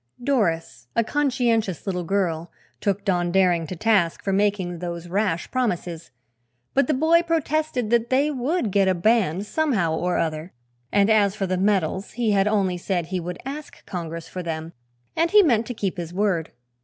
Doris, a conscientious little girl, took Don Daring to task for making those rash promises, but the boy protested that they would get a band, somehow or other, and as for the medals he had only said he would ask "Congress" for them and he meant to keep his word.